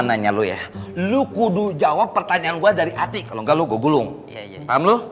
nanya lu ya lu kudu jawab pertanyaan gua dari hati kalau enggak lu gulung paham lu